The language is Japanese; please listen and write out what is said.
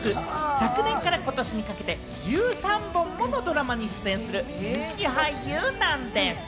昨年からことしにかけて１３本ものドラマに出演する人気俳優なんです。